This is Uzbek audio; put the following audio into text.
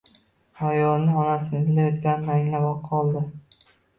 Ayolni – onasini izlayotganini anglab qoldi